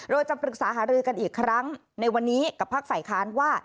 โดยจะปรึกษาหารือกันอีกครั้งในวันนี้กับภาคฝ่ายค้านว่า